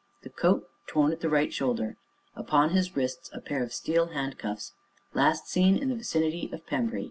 The coat TORN at the RIGHT shoulder. Upon his wrists, a pair of steel HANDCUFFS. Last seen in the vicinity of PEMBRY.